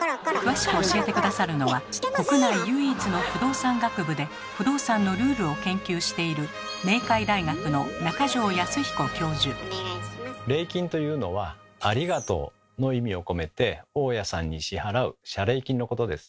詳しく教えて下さるのは国内唯一の不動産学部で不動産のルールを研究している「礼金」というのは「ありがとう」の意味を込めて大家さんに支払う謝礼金のことです。